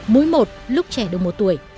mũi một lúc trẻ được một tuổi